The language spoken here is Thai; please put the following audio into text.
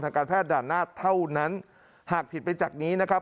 การแพทย์ด่านหน้าเท่านั้นหากผิดไปจากนี้นะครับ